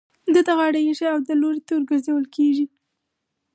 ده ته غاړه ايښې او د ده لوري ته ورگرځول كېږي.